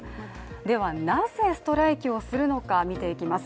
では、なぜストライキをするのか見ていきます。